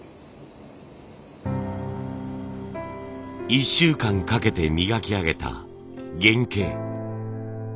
１週間かけて磨き上げた原型。